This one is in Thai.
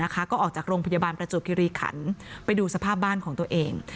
ก็ออกจากโรงพยาบาลประจวบคิริขันไปดูสภาพบ้านของตัวเอง